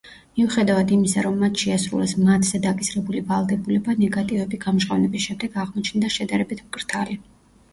მიუხედავად იმისა რომ მათ შეასრულეს მათზე დაკისრებული ვალდებულება, ნეგატივები გამჟღავნების შემდეგ აღმოჩნდა შედარებით მკრთალი.